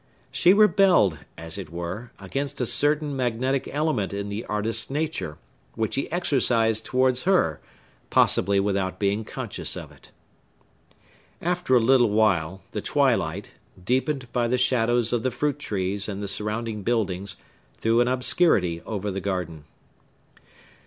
She rebelled, as it were, against a certain magnetic element in the artist's nature, which he exercised towards her, possibly without being conscious of it. After a little while, the twilight, deepened by the shadows of the fruit trees and the surrounding buildings, threw an obscurity over the garden.